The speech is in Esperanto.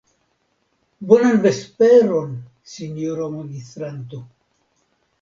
Bonan vesperon, sinjoro magistranto.